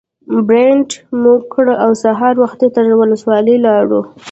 پرنټ مو کړ او سهار وختي تر ولسوالۍ لاړو.